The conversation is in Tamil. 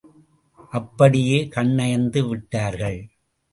அப்படியே கண்ணயர்ந்து விட்டார்கள்.